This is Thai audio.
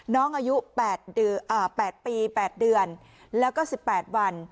น้องอายุ๘ปี๘เดือนแล้วก็๑๘วัน